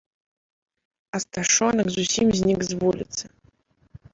Асташонак зусім знік з вуліцы.